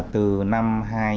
từ năm hai nghìn một mươi